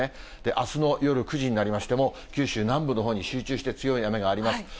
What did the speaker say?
あすの夜９時になりましても、九州南部のほうに集中して強い雨があります。